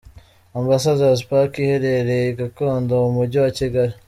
Ambassador's Park iherereye i Gikondo mu mujyi wa Kigali.